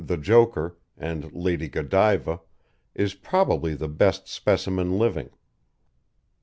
The Joker and Lady Godiva, is probably the best specimen living.